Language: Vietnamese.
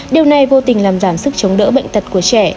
điều này vô tình làm giảm sức chống đỡ bệnh tật của trẻ